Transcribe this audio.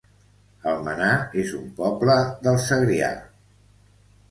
Almenar es un poble del Segrià